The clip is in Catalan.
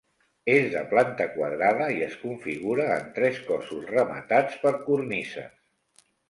És de planta quadrada i es configura en tres cossos rematats per cornises.